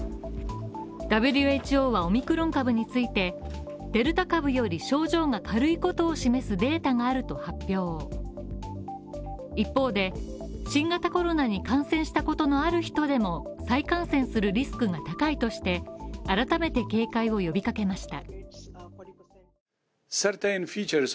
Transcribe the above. ＷＨＯはオミクロン株について、デルタ株より症状が軽いことを示すデータがあると発表、一方で新型コロナに感染したことのある人での再感染するリスクが高いとして、改めて警戒を呼びかけました。